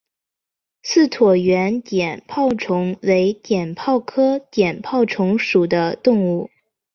似椭圆碘泡虫为碘泡科碘泡虫属的动物。